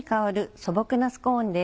素朴なスコーンです。